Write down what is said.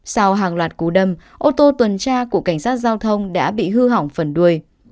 sau hàng loạt cú đâm ô tô tuần tra của cảnh sát giao thông đã bị hư hỏng phần đuôi